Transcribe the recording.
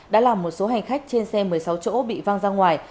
đã làm một số hành khách trên xe một mươi sáu chỗ bị văng ra ngoài